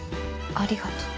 ありがとう。